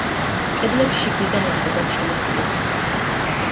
კედლებს შიგნიდან ეტყობათ შელესილობის კვალი.